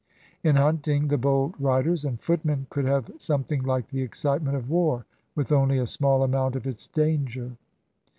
In hunting, the bold riders and footmen could have something like the excitement of war with only a small amount of its danger.